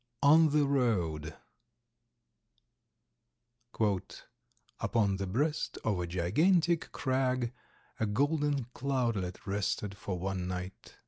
ON THE ROAD _"Upon the breast of a gigantic crag, A golden cloudlet rested for one night."